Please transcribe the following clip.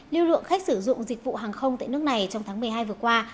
lưu lượng khách sử dụng dịch vụ hàng không tại nước này trong tháng một mươi hai vừa qua